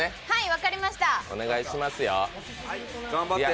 分かりました。